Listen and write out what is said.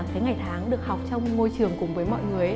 cái ngày tháng được học trong môi trường cùng với mọi người